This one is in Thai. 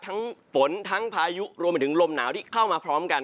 ฝนทั้งพายุรวมไปถึงลมหนาวที่เข้ามาพร้อมกัน